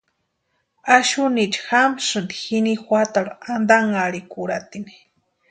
Axunicha jamsïnti jini juatarhu antanharhikurhatini.